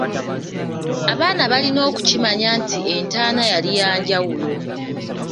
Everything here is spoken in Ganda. Abaana balina okukimanya nti entaana yali ya njawulo.